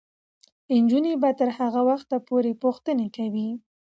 نجونې به تر هغه وخته پورې پوښتنې کوي.